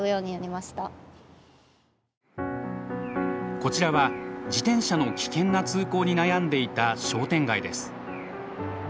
こちらは自転車の危険な通行に悩んでいた商店街です。